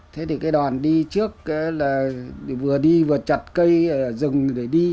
thế thì đoàn đi trước vừa đi vừa chặt cây rừng để đi